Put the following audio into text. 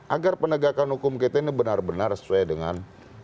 agar penegakan hukum kita ini benar benar sesuai dengan